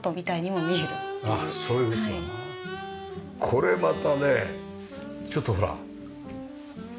これまたねちょっとほらねえ。